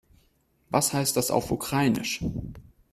Was heißt das auf Ukrainisch?